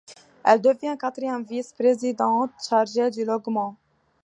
Elle devient quatrième vice-présidente chargée du logement.